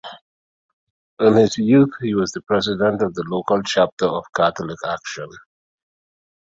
In his youth he was the president of the local chapter of Catholic Action.